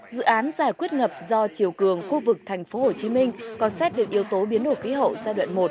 dự án giải quyết ngập do chiều cường khu vực tp hcm có xét đến yếu tố biến đổi khí hậu giai đoạn một